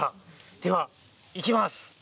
では、いきます！